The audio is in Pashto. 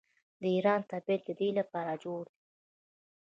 د ایران طبیعت د دې لپاره جوړ دی.